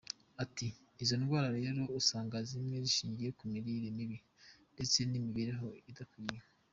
Ati "Izo ndwara rero usanga zimwe zishingiye ku mirire mibi ndetse n’imibereho idakwiye.